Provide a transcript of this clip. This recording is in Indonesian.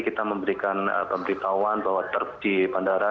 kita memberikan pemberitahuan bahwa di bandara